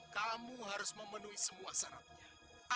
kamu harus memenuhi semua syaratnya